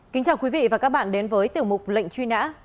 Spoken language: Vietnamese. kính chào quý vị và các bạn đến với tiểu mục lệnh truy nã